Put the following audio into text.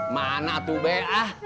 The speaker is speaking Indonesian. mana tuh bea